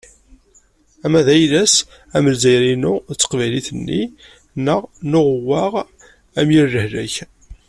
Ama d ayla-s, am « Lezzayer-inu » d « Taqbaylit-nni » neɣ n uɣewwaɣ, am « Yir Lehlak ».